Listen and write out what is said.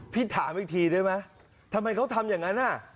ถามอีกทีได้ไหมทำไมเขาทำอย่างนั้น